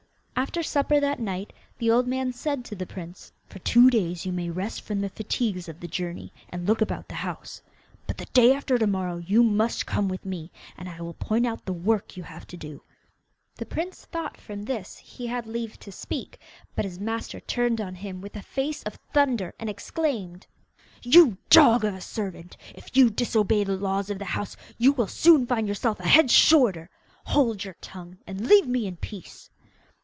After supper that night, the old man said to the prince, 'For two days you may rest from the fatigues of the journey, and look about the house. But the day after to morrow you must come with me, and I will point out the work you have to do. The maid will show you where you are to sleep.' The prince thought, from this, he had leave to speak, but his master turned on him with a face of thunder and exclaimed: 'You dog of a servant! If you disobey the laws of the house you will soon find yourself a head shorter! Hold your tongue, and leave me in peace.